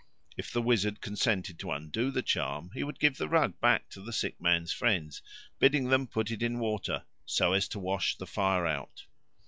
If the wizard consented to undo the charm, he would give the rug back to the sick man's friends, bidding them put it in water, "so as to wash the fire out."